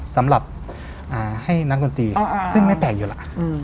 สำหรับให้นักดนตรีซึ่งไม่แปลกอยู่ล่ะ